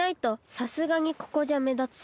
さすがにここじゃめだつし。